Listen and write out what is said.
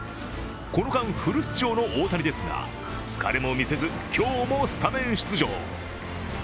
この間、フル出場の大谷ですが疲れも見せず今日もスタメン出場。